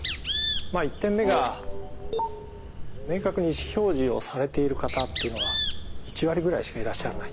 １点目が明確に意思表示をされている方っていうのが１割ぐらいしかいらっしゃらない。